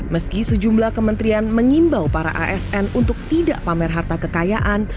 meski sejumlah kementerian mengimbau para asn untuk tidak pamer harta kekayaan